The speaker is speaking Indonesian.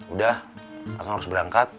udah akang harus berangkat